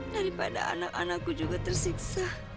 daripada anak anakku juga tersiksa